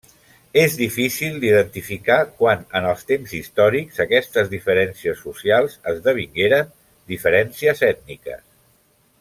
És difícil d'identificar quan en el temps històric aquestes diferències socials esdevingueren diferències ètniques.